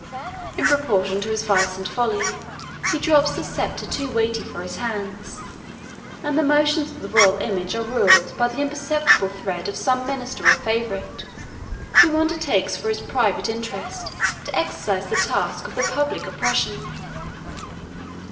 In proportion to his vice and folly, he drops the sceptre too weighty for his hands; and the motions of the royal image are ruled by the imperceptible thread of some minister or favorite, who undertakes for his private interest to exercise the task of the public oppression.